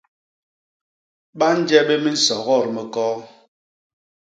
Ba nje bé minsogot mi koo.